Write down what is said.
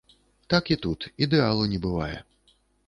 Так і тут, ідэалу не бывае.